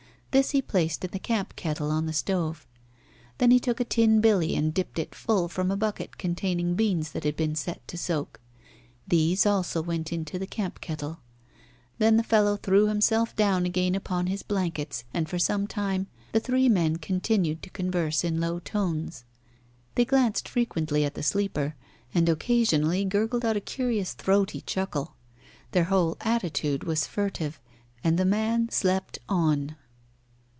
This he placed in the camp kettle on the stove. Then he took a tin billy and dipped it full from a bucket containing beans that had been set to soak. These also went into the camp kettle. Then the fellow threw himself down again upon his blankets, and, for some time, the three men continued to converse in low tones. They glanced frequently at the sleeper, and occasionally gurgled out a curious throaty chuckle. Their whole attitude was furtive, and the man slept on.